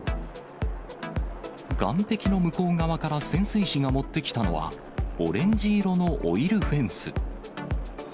岸壁の向こう側から潜水士が持ってきたのは、オレンジ色のオイルフェンス。